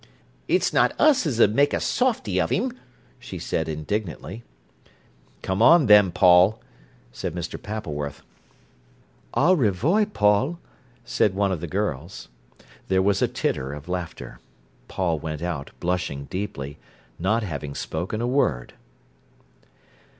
"It's not us as 'ud make a softy of him," she said indignantly. "Come on then, Paul," said Mr. Pappleworth. "Au revoy, Paul," said one of the girls. There was a titter of laughter. Paul went out, blushing deeply, not having spoken a word.